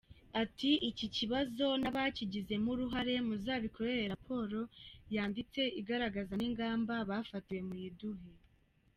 Ati: “iki kibazo n’abakigizemo uruhare muzabikorere raporo yanditse igaragaza n’ingamba bafatiwe muyiduhe.